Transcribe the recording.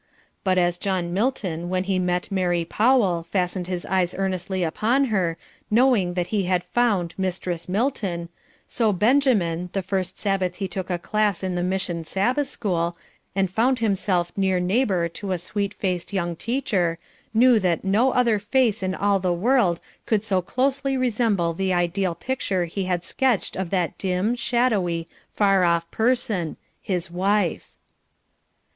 But as John Milton when he met Mary Powell fastened his eyes earnestly upon her, knowing that he had found "Mistress Milton," so Benjamin, the first Sabbath he took a class in the mission Sabbath school, and found himself near neighbour to a sweet faced young teacher, knew that no other face in all the world could so closely resemble the ideal picture he had sketched of that dim, shadowy, far off person, his wife.